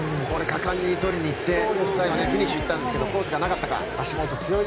果敢に取りに行って最後、フィニッシュに行ったんですけどコースがなかったか。